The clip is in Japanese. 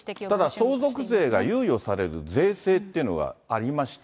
ただ、相続税が猶予される税制っていうのがありまして。